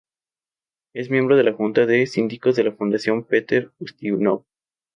Es miembro de la Junta de Síndicos de la Fundación Peter Ustinov.